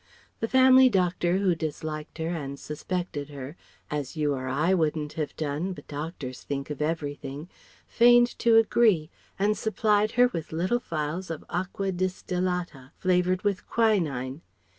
The family doctor who disliked her and suspected her, as you or I wouldn't have done, but doctors think of everything, feigned to agree; and supplied her with little phials of aqua distillata flavoured with quinine.